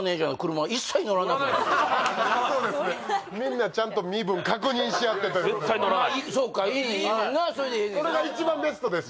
これからそうですねみんなちゃんと身分確認し合ってという絶対乗らないそっかそれでええねんなそれが一番ベストです